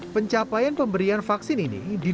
pencapaian pemberian vaksin ini